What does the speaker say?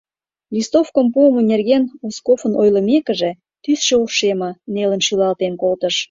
Листовкым пуымо нерген Узковын ойлымекыже, тӱсшӧ ошеме, нелын шӱлалтен колтыш.